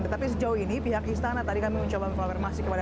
tetapi sejauh ini pihak istana tadi kami mencoba mengkonfirmasi kepada